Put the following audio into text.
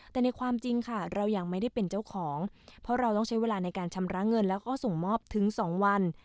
แต่ในความจริงค่ะเรายังไม่ได้เป็นเจ้าของเพราะเราต้องใช้เวลาในการชำระเงินแล้วก็ส่งมอบถึง๒วัน